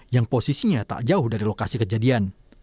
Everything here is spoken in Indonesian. yang posisinya tak jauh dari lokasi kejadian